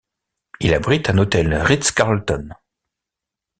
Il abrite un hôtel Ritz-Carlton.